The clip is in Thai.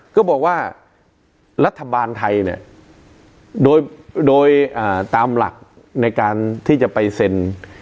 ก็บอกว่ารัฐบาลไทยเนี่ยโดยโดยตามหลักในการที่จะไปเซ็น